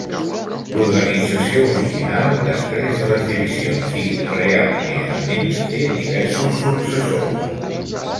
L'organització original, després de les divisions i realineaments, té diversos successors.